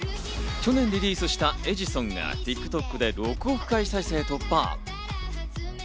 去年リリースした『エジソン』がＴｉｋＴｏｋで６億回再生突破！